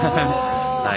はい。